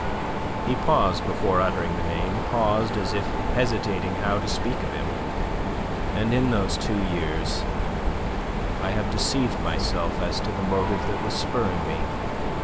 He paused before uttering the name, paused as if hesitating how to speak of him. "And in those two years I have deceived myself as to the motive that was spurring me.